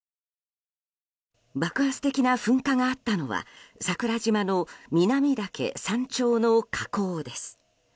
爆発的な噴火があったのは桜島の南岳山頂の火口です。